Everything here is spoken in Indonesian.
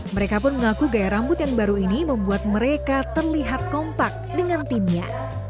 mereka pun mengaku gaya rambut yang baru ini membuat mereka terlihat kompak dengan timnya